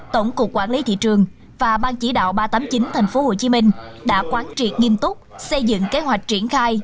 tổng cục quản lý thị trường và ban chỉ đạo ba trăm tám mươi chín tp hcm đã quán triệt nghiêm túc xây dựng kế hoạch triển khai